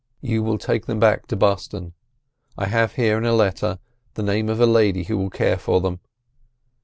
You will take them back to Boston; I have here, in a letter, the name of a lady who will care for them.